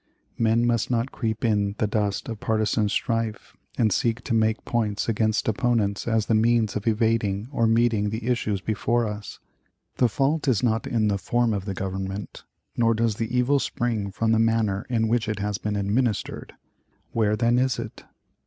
Men must not creep in the dust of partisan strife and seek to make points against opponents as the means of evading or meeting the issues before us. The fault is not in the form of the Government, nor does the evil spring from the manner in which it has been administered. Where, then, is it?